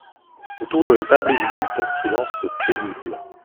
Autour de la table, il y eut un silence pénible.